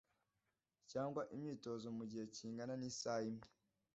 cyangwa imyitozo mu gihe kingana n’isaha imwe